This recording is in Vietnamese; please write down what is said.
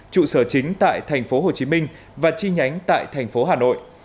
trụ sở chính tại thành phố hồ chí minh và chi nhánh tại thành phố hà nội